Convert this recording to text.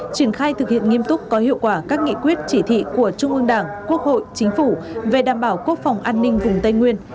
triển khai thực hiện nghiêm túc có hiệu quả các nghị quyết chỉ thị của trung ương đảng quốc hội chính phủ về đảm bảo quốc phòng an ninh vùng tây nguyên